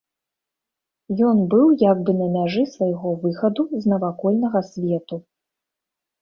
Ён быў як бы на мяжы свайго выхаду з навакольнага свету.